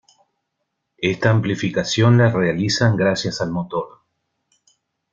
Esta amplificación la realizan gracias al motor.